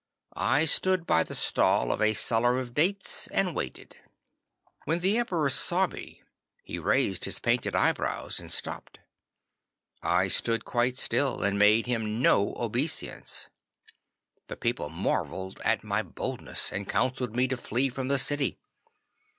I stood by the stall of a seller of dates and waited. When the Emperor saw me, he raised his painted eyebrows and stopped. I stood quite still, and made him no obeisance. The people marvelled at my boldness, and counselled me to flee from the city.